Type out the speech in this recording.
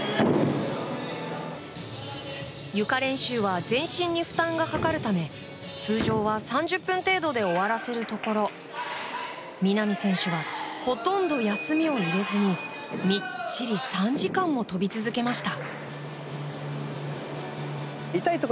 ゆか練習は全身に負担がかかるため通常は３０分程度で終わらせるところ南選手はほとんど休みを入れずにみっちり３時間も跳び続けました。